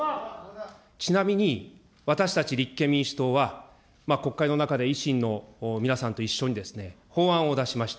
ちなみに私たち立憲民主党は、国会の中で維新の皆さんと一緒にですね、法案を出しました。